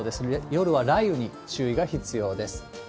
夜は雷雨に注意が必要です。